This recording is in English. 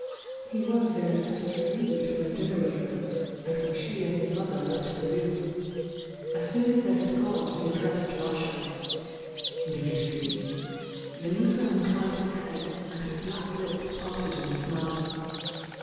He was in a sense relieved when din ner was over, and when she and his mother left the 18P THE YOUNG DIANA :» U H, iit>t room. As soon as they had gone he addressed Vas)io: "Did you see?" The negro inclined his head, and his black lips parted in a smile.